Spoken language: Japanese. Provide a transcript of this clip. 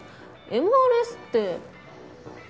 ＭＲＳって。